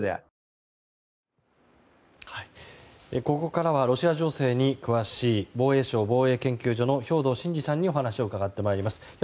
ここからはロシア情勢に詳しい防衛省防衛研究所の兵頭慎治さんにお話を伺ってまいります。